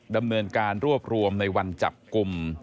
ดำเนินการรวบรวมในวันจับกลุ่ม